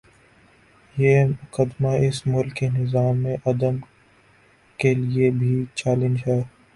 یہ مقدمہ اس ملک کے نظام عدل کے لیے بھی چیلنج ہے۔